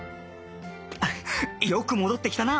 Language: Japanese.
よく戻ってきたなお前